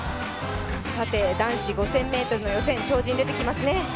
男子５０００ｍの予選、超人出てきますね。